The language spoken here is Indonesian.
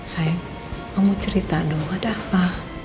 saya kamu cerita dong ada apa